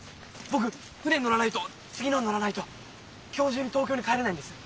僕船に乗らないと次のに乗らないと今日中に東京に帰れないんです。